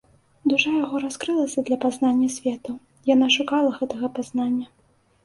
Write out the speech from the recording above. Душа яго раскрылася для пазнання свету, яна шукала гэтага пазнання.